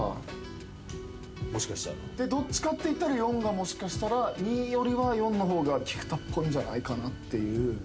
どっちかっていったら４がもしかしたら２よりは４の方が菊田っぽいんじゃないかなって。